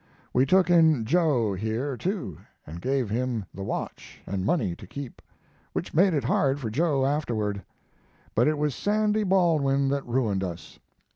We took in Joe here, too, and gave him the watch and money to keep, which made it hard for Joe afterward. But it was Sandy Baldwin that ruined us.